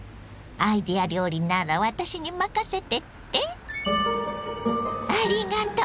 アイデア料理なら私に任せてって⁉ありがとう！